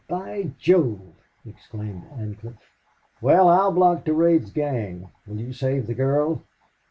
"By Jove!" exclaimed Ancliffe. "Well, I'll block Durade's gang. Will you save the girl?"